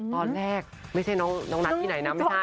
ตอนแรกไม่ใช่น้องนัทที่ไหนนะไม่ใช่